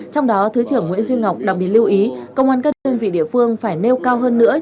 trong đó thứ trưởng nguyễn duy ngọc đặc biệt lưu ý công an các đơn vị địa phương phải nêu cao hơn nữa